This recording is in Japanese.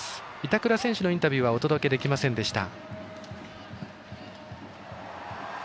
板倉選手のインタビューはお届けできませんでした。